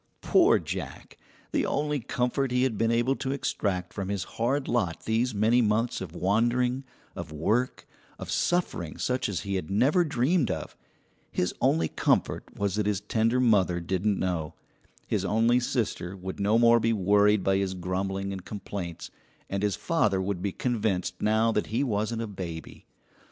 Poor Jack, the only comfort he had been able to extract from his hard lot these many months of wandering, of work, of suffering such as he had never dreamed of his only comfort was that his tender mother didn't know, his only sister would no more be worried by his grumbling and complaints, and his father would be convinced now that he wasn't a baby.